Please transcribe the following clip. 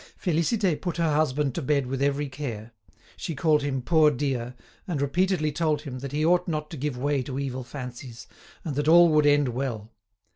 Félicité put her husband to bed with every care. She called him "poor dear," and repeatedly told him that he ought not to give way to evil fancies, and that all would end well.